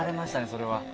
それは。